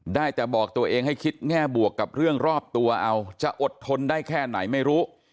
ได้แต่บอกตัวเองให้คิดแง่บวกกับเรื่องรอบตัวเอาจะอดทนได้แค่ไหนไม่รู้